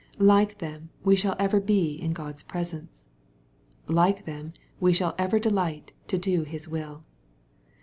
Like them, we shall ever be in God's presence. Like them, we shall ever delight to do His' will.